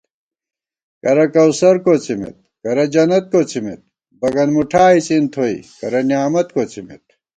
کرہ کوثر کوڅمېت کرہ جنّت کوڅمېت بگن مُٹھا اِڅن تھوئی کرہ نعمت کوڅمېت